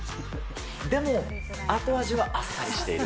でも後味はあっさりしている。